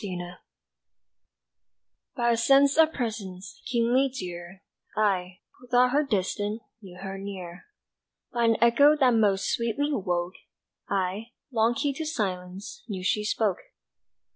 Presence BY a sense of Presence, keenly dear, I, who thought her distant, Knew her near. By an echo that most sweetly woke, I, long keyed to silence, Knew she spoke.